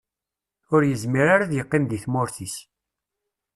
Ur yezmir ara ad yeqqim deg tmurt-is.